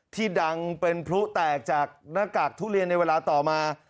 ที่ดังเป็นพลุแตกจากหน้ากากทุเรียนในเวลาต่อมา